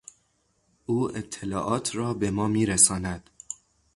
او اطلاعات را به ما میرساند.